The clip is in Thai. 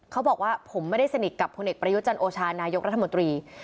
เขาบอกว่าผมไม่ได้สนิทกับพลเอกประยุจันโอชานายกรัฐมนตรี